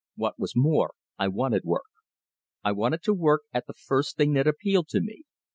What was more, I wanted work. I wanted to work at the first thing that appealed to me.